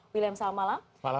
william selamat malam